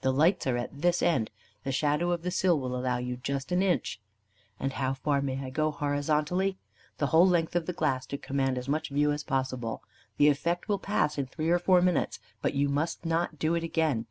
The lights are at this end; the shadow of the sill will allow you just an inch." "And how far may I go horizontally?" "The whole length of the glass, to command as much view as possible. The effect will pass in three or four minutes, but you must not do it again.